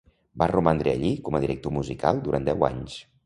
Va romandre allí com a director musical durant deu anys.